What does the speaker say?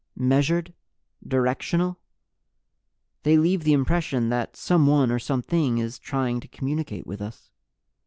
Measured? Directional? They leave the impression that someone, or something, is trying to communicate with us.